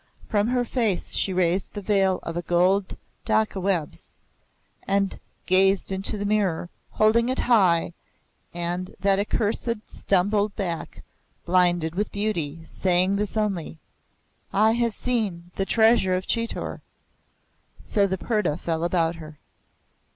From her face she raised the veil of gold Dakka webs, and gazed into the mirror, holding it high, and that Accursed stumbled back, blinded with beauty, saying this only, "I have seen the Treasure of Chitor." So the purdah fell about her.